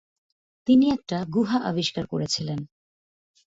তিনি একটা গুহা আবিষ্কার করেছিলেন।